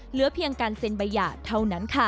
เหลือเพียงการเซ็นใบหย่าเท่านั้นค่ะ